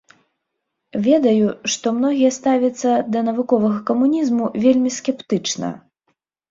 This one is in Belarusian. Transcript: Ведаю, што многія ставяцца да навуковага камунізму вельмі скептычна.